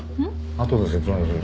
あとで説明する。